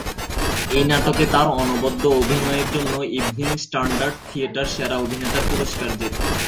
এই নাটকে তার অনবদ্য অভিনয়ের জন্য ইভনিং স্ট্যান্ডার্ড থিয়েটার সেরা অভিনেতার পুরস্কার জেতেন।